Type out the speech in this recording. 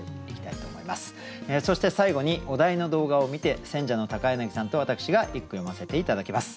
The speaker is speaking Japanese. そして最後にお題の動画を観て選者の柳さんと私が一句詠ませて頂きます。